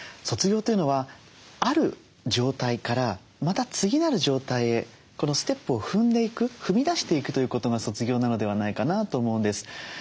卒業というのはある状態からまた次なる状態へこのステップを踏んでいく踏み出していくということが卒業なのではないかなと思うんです。